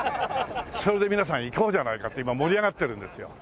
それで皆さん行こうじゃないかって今盛り上がってるんですよ。